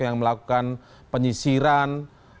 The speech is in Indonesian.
yang melakukan penyisiran